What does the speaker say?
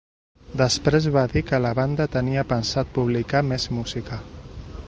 Després va dir que la banda tenia pensat publicar més música.